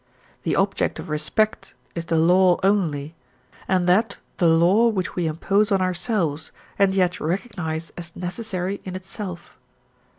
The object of respect is the law only, and that the law which we impose on ourselves and yet recognise as necessary in itself.